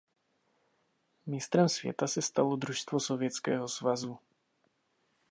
Mistrem světa se stalo družstvo Sovětského svazu.